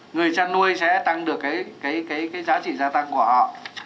người chăn nuôi sẽ tăng được cái giá trị gia tăng của họ